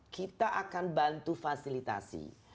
kita akan bantu fasilitasi